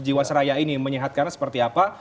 jiwaseraya ini menyehatkan seperti apa